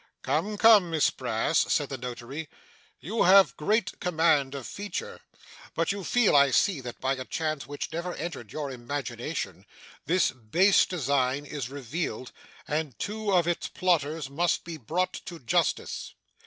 'Come, come, Miss Brass,' said the Notary, 'you have great command of feature, but you feel, I see, that by a chance which never entered your imagination, this base design is revealed, and two of its plotters must be brought to justice.